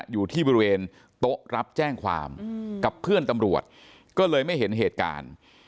อยู่ที่บริเวณโต๊ะรับแจ้งความกับเพื่อนตำรวจก็เลยไม่เห็นเหตุการณ์